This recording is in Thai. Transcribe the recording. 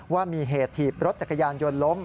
ว่ามีเหตุถีบรถจักรยานยนต์ล้ม